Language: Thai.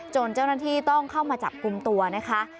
เจ้าหน้าที่ต้องเข้ามาจับกลุ่มตัวนะคะ